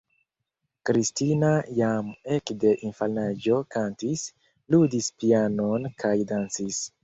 Kristina jam ekde infanaĝo kantis, ludis pianon kaj dancis.